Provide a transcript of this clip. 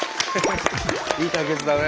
いい対決だね。